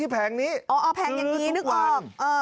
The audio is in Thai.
แผงอย่างนี้นึกออกเอ่อ